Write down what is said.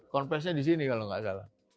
konfestnya di sini kalau nggak salah